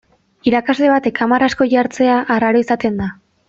Irakasle batek hamar asko jartzea arraro izaten da.